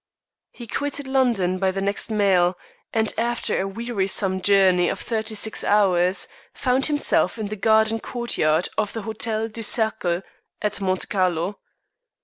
He quitted London by the next mail, and after a wearisome journey of thirty six hours, found himself in the garden courtyard of the Hotel du Cercle at Monte Carlo.